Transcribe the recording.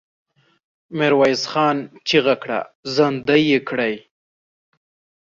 ميرويس خان چيغه کړه! زندۍ يې کړئ!